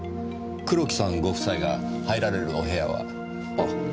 黒木さんご夫妻が入られるお部屋は？